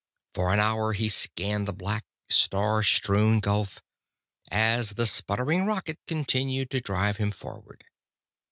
For an hour he scanned the black, star strewn gulf, as the sputtering rocket continued to drive him forward.